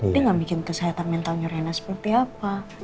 dia gak mikirin kesehatan mentalnya reina seperti apa